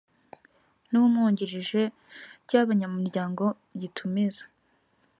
n umwungirije cy abanyamuryango gitumiza